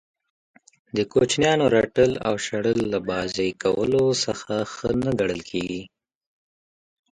د کوچنیانو رټل او شړل له بازئ کولو څخه ښه نه ګڼل کیږي.